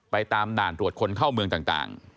ตามด่านตรวจคนเข้าเมืองต่าง